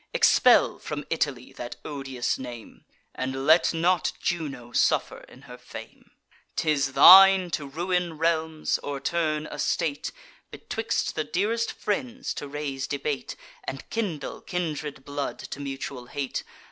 Expel from Italy that odious name, And let not Juno suffer in her fame. 'Tis thine to ruin realms, o'erturn a state, Betwixt the dearest friends to raise debate, And kindle kindred blood to mutual hate.